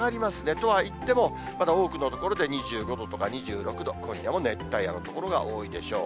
とはいっても、まだ多くの所で２５度とか２６度、今夜も熱帯夜の所が多いでしょう。